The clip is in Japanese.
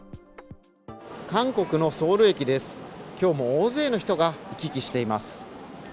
韓国のソウル駅です、今日も大勢の人が行き来しています。